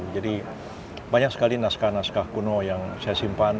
jadi banyak sekali naskah naskah kuno yang saya sampaikan